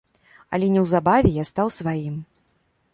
Але неўзабаве я стаў сваім.